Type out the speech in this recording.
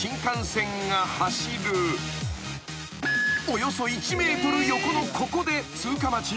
［およそ１ｍ横のここで通過待ち］